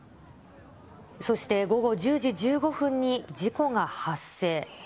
そして午後１０時１５分に事故が発生。